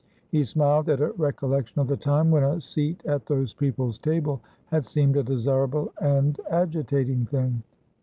He smiled at a recollection of the time when a seat at those people's table had seemed a desirable and agitating thing.